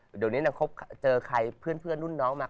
เดี๋ยวนี้เจอใครเพื่อนรุ่นน้องมา